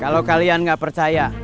kalau kalian gak percaya